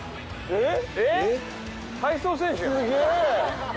えっ！？